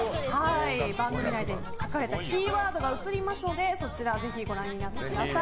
番組内に隠れたキーワードが映りますのでそちらをぜひご覧になってください。